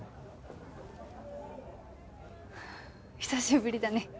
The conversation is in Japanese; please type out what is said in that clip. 久しぶりだね。